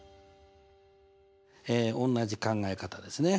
え同じ考え方ですね。